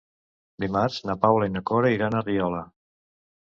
Dimarts na Paula i na Cora iran a Riola.